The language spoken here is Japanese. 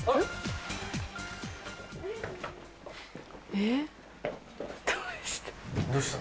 えっどうした。